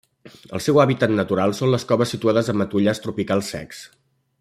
El seu hàbitat natural són les coves situades a matollars tropicals secs.